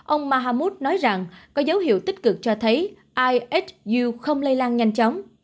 ông mahamoud nói rằng có dấu hiệu tích cực cho thấy ihu không lây lan nhanh chóng